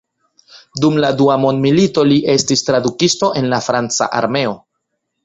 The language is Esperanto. Dum la dua mondmilito li estis tradukisto en la franca armeo.